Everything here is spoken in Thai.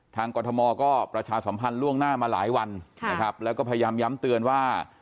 กรทมก็ประชาสัมพันธ์ล่วงหน้ามาหลายวันนะครับแล้วก็พยายามย้ำเตือนว่า